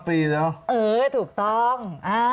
ปีแล้วเออถูกต้อง